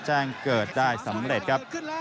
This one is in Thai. แจ้งเกิดได้สำเร็จครับ